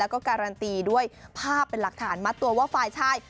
แล้วก็การันตีด้วยภาพเป็นหลักฐานมัดตัวว่าฝ่ายชาย